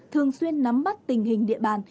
thường xuyên nắm bắt tình hình địa bàn